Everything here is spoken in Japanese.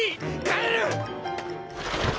帰る！！